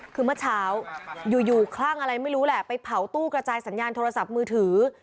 คือเมื่อเช้าอยู่คลั่งอะไรไม่รู้แหละไปเผาตู้กระจายสัญญาณโทรศัพท์มือถือ